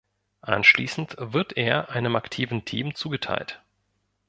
Anschließend wird er einem aktiven Team zugeteilt.